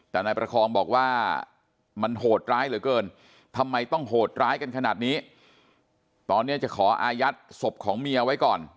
แต่นายประคองบอกว่ามันโหดร้ายเหลือเกินทำไมต้องโหดร้ายกันขนาดนี้ตอนนี้จะขออายัดศพของเมียไว้ก่อน